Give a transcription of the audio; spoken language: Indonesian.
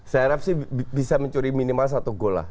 saya harap sih bisa mencuri minimal satu gol lah